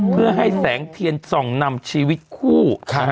เพื่อให้แสงเทียนส่องนำชีวิตคู่